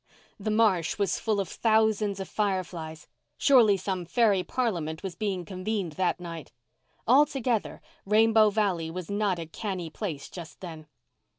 The marsh was full of thousands of fire flies. Surely some fairy parliament was being convened that night. Altogether, Rainbow Valley was not a canny place just then.